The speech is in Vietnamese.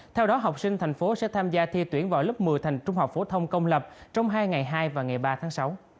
theo đó học sinh thành phố sẽ tham gia thi tuyển vào lớp một mươi thành trung học phổ thông công lập trong hai ngày hai và ngày ba tháng sáu